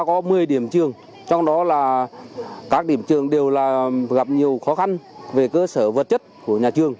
có một mươi điểm trường trong đó là các điểm trường đều là gặp nhiều khó khăn về cơ sở vật chất của nhà trường